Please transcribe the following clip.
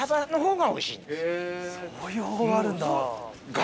そういう方法があるんだ。